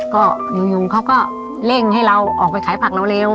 ก็อยู่เขาก็เร่งให้เราออกไปขายผักเร็ว